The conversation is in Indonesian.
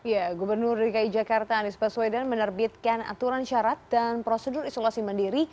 ya gubernur dki jakarta anies baswedan menerbitkan aturan syarat dan prosedur isolasi mandiri